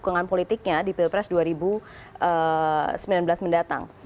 dukungan politiknya di pilpres dua ribu sembilan belas mendatang